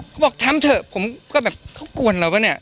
เขาบอกทำเถอะผมก็แบบเขากวนเราป่ะเนี่ย